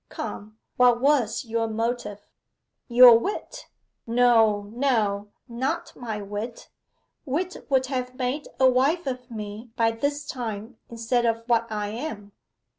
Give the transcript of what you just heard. Come, what was your motive?' 'Your wit.' 'No, no; not my wit. Wit would have made a wife of me by this time instead of what I am.